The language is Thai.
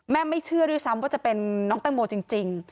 ไม่เชื่อด้วยซ้ำว่าจะเป็นน้องแตงโมจริง